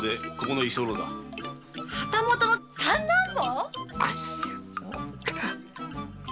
フン旗本の三男坊！